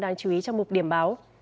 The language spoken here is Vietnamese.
đáng chú ý trong một điểm báo